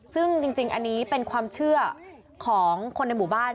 ซึ่งจริงอันนี้เป็นความเชื่อของคนในหมู่บ้าน